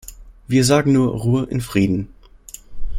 Wir sagen nur "Ruhe in Frieden".